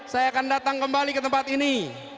saya akan datang kembali ke tempat ini